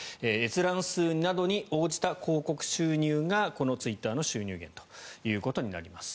閲覧数などに応じた広告収入がこのツイッターの収入源ということになります。